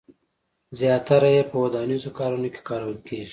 زیاتره یې په ودانیزو کارونو کې کارول کېږي.